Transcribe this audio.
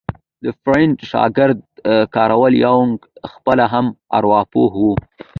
د فروډ شاګرد کارل يونګ خپله هم ارواپوه وو.